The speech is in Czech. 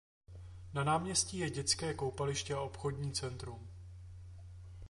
Na náměstí je dětské koupaliště a obchodní centrum.